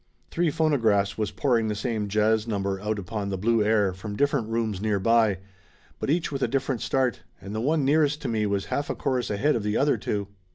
Three phono graphs was pouring the same jazz number out upon the blue air, from different rooms near by, but each with a different start, and the one nearest to me was half a chorus ahead of the other two.